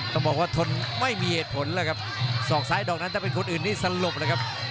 ต้องบอกว่าทนไม่มีเหตุผลแล้วครับศอกซ้ายดอกนั้นถ้าเป็นคนอื่นนี่สลบเลยครับ